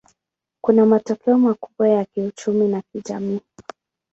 Kuna matokeo makubwa ya kiuchumi na kijamii.